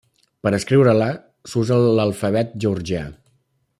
Per escriure-la s'usa l'alfabet georgià.